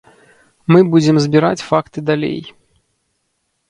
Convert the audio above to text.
Мы будзем збіраць факты далей.